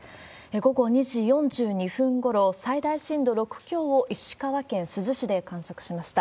午後２時４２分ごろ、最大震度６強を石川県珠洲市で観測しました。